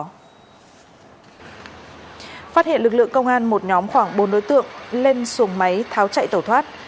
phát hiện lực lượng công an một nhóm khoảng bốn đối tượng lên xuồng máy tháo chạy tẩu thoát